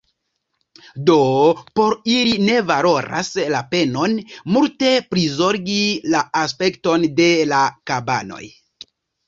Do, por ili ne valoras la penon multe prizorgi la aspekton de la kabanoj.